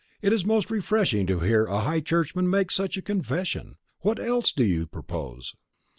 "It is most refreshing to hear a high churchman make such a confession. And what else do you propose?"